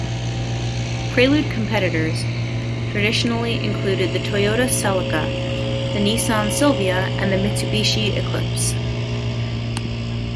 Prelude competitors traditionally included the Toyota Celica, the Nissan Silvia and the Mitsubishi Eclipse.